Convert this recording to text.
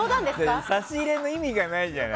差し入れの意味がないじゃない。